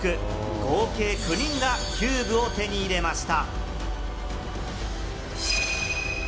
合計９人がキューブを手に入れました。